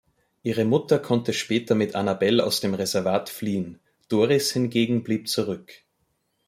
Ihre Mutter konnte später mit Annabelle aus dem Reservat fliehen, Doris hingegen blieb zurück.